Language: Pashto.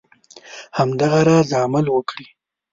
همدغه راز عمل وکړي.